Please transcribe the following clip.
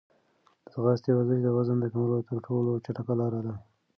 د ځغاستې ورزش د وزن د کمولو تر ټولو چټکه لاره ده.